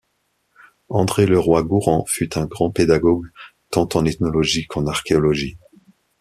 André Leroi-Gourhan fut un grand pédagogue tant en ethnologie qu'en archéologie.